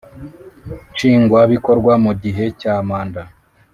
Nshingwa Bikorwa Mu Gihe Cya Manda